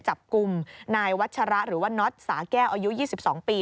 จับกลุ่มนายวัชระหรือว่าน็อตสาแก้วอายุ๒๒ปี